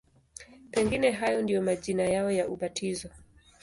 Pengine hayo ndiyo majina yao ya ubatizo.